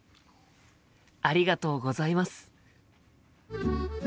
ありがとうございます。